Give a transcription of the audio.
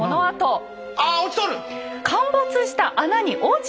あ落ちとる！